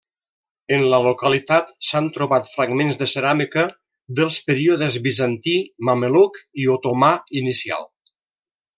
En la localitat s'han trobat fragments de ceràmica dels períodes bizantí, mameluc i otomà inicial.